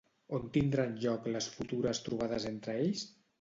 On tindran lloc les futures trobades entre ells?